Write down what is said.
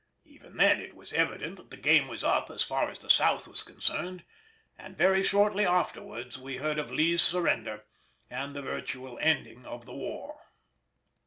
Even then it was evident that the game was up as far as the South was concerned, and very shortly afterwards we heard of Lee's surrender and the virtual ending of the war.